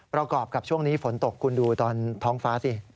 ประกอบกับช่วงนี้ฝนตกคุณดูตอนท้องฟ้าสิ